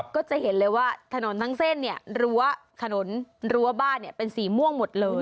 ก็จะเห็นเลยว่าถนนทั้งเส้นเนี่ยรั้วถนนรั้วบ้านเป็นสีม่วงหมดเลย